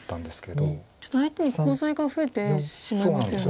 ちょっと相手にコウ材が増えてしまいますよね。